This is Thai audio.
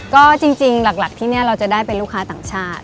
ก็จริงหลักที่นี่เราจะได้เป็นลูกค้าต่างชาติ